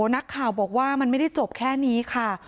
นักข่าวบอกว่ามันไม่ได้จบแค่นี้ค่ะ